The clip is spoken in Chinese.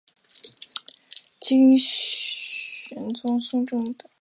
金宣宗贞佑四年仆散毅夫充任贺宋正旦使。